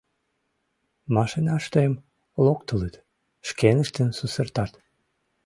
— Машинаштым локтылыт, шкеныштым сусыртат.